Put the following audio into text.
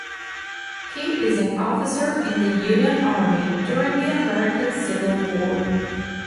He is an officer in the Union Army during the American Civil War.